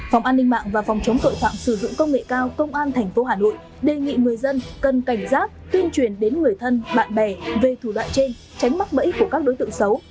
phòng an ninh mạng và phòng chống tội phạm sử dụng công nghệ cao công an tp hà nội đề nghị người dân cần cảnh giác tuyên truyền đến người thân bạn bè về thủ đoạn trên tránh mắc bẫy của các đối tượng xấu